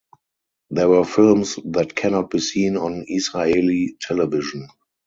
These were films that cannot be seen on Israeli television.